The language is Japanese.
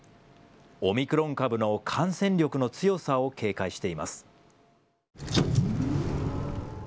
オミクロン株の感染力の強さを警戒しています。